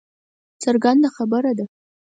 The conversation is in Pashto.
څرګنده خبره ده